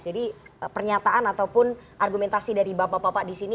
jadi pernyataan ataupun argumentasi dari bapak bapak disini